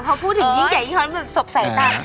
พอพูดถึงยิ่งแก่ยิ่งฮอตมันสบใส่ตา